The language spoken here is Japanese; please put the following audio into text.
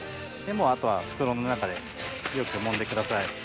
あとは袋の中でよくもんでください。